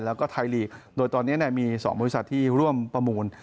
แล้วก็ไทยลีกโดยตอนนี้มี๒บริษัทที่ร่วมประมูล